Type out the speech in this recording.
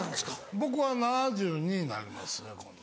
僕は７２になりますね今度。